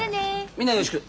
みんなによろしく。